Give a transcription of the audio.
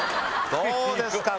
どうですか？